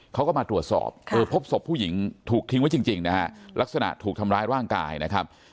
เขาก็มาตรวจสอบเออพบศพผู้หญิงถูกทิ้งไว้จริงนะฮะลักษณะถูกทำร้ายร่างกายนะครับ